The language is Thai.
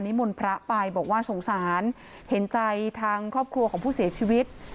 มนต์พระไปบอกว่าสงสารเห็นใจทางครอบครัวของผู้เสียชีวิต